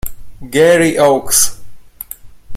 Gary Oakes